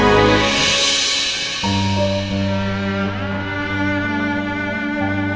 mbak mau ke tempat ini